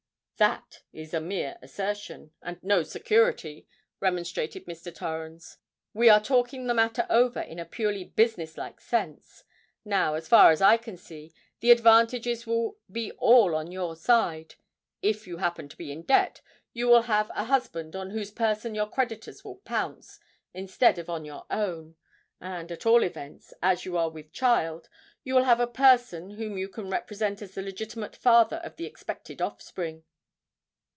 "That is a mere assertion, and no security," remonstrated Mr. Torrens; "we are talking the matter over in a purely business like sense. Now, as far as I can see, the advantages will be all on your side. If you happen to be in debt, you will have a husband on whose person your creditors will pounce instead of on your own; and, at all events, as you are with child, you will have a person whom you can represent as the legitimate father of the expected offspring."